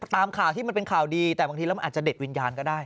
ตามข่าวที่มันเป็นข่าวดีแต่บางทีแล้วมันอาจจะเด็ดวิญญาณก็ได้